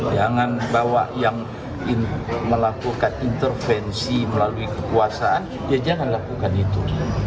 jangan bawa yang melakukan intervensi melalui kekuasaan ya jangan lakukan itu